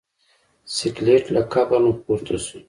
سکلیټ له قبر نه پورته شو.